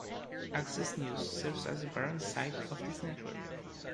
Axcess News serves as the parent site of this network.